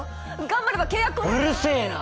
頑張れば契約うるせえな！